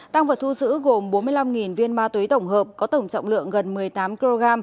tăng vật thu giữ gồm bốn mươi năm viên ma túy tổng hợp có tổng trọng lượng gần một mươi tám kg